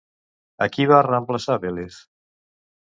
A qui va reemplaçar Vélez?